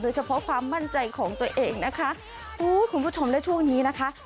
เฉพาะความมั่นใจของตัวเองนะคะอู้คุณผู้ชมและช่วงนี้นะคะ